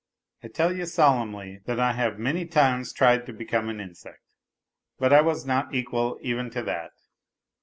I tell you solemnly, that I have many times tried to become an insect. But I was not equal even to that.